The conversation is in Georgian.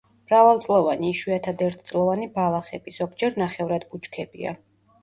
მრავალწლოვანი, იშვიათად ერთწლოვანი ბალახები, ზოგჯერ ნახევრად ბუჩქებია.